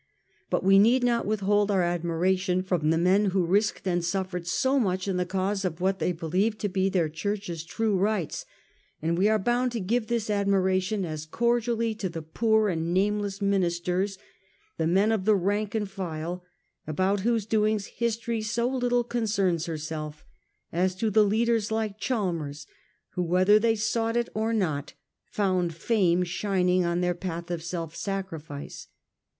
But we need not withhold our admiration from the men who risked and suffered so much in the cause of what they believed to be their Church's true rights ; and we are bound to give this admiration ' as cordially to the poor and nameless ministers, the men of the rank and file, about whose doings history so little concerns herself, as to the leaders like Chalmers, who, whether they sought it or not, found fame shining on their path of self sacrifice.